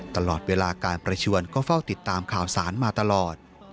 ตลอดเวลาการประชวนก็เฝ้าติดตามข่าวสารมาตลอด